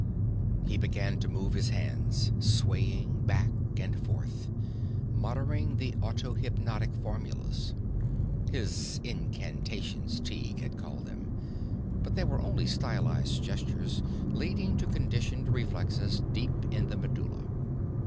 He began to move his hands, swaying back and forth, muttering the autohypnotic formulas. His incantations, Tighe had called them. But they were only stylized gestures leading to conditioned reflexes deep in the medulla.